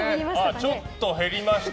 ちょっと減りました？